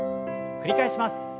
繰り返します。